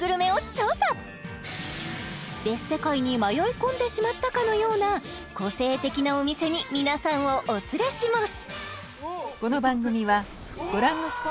別世界に迷い込んでしまったかのような個性的なお店に皆さんをお連れします